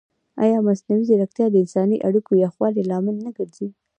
ایا مصنوعي ځیرکتیا د انساني اړیکو یخوالي لامل نه ګرځي؟